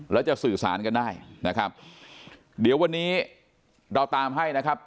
แล้วจะสื่อสารกันได้นะครับเดี๋ยววันนี้เราตามให้นะครับ